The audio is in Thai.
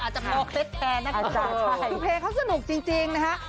อาจจะมองเต็กแทนนะครับคุณผู้ชมฮิตเพลงคือเพลงเขาสนุกจริงนะครับ